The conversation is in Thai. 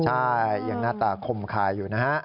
ใช่ยังหน้าตาคมคายอยู่นะฮะ